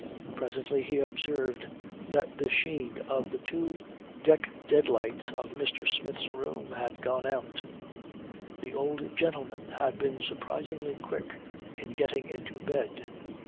Presently he observed that the sheen of the two deck dead lights of Mr. Smith's room had gone out. The old gentleman had been surprisingly quick in getting into bed.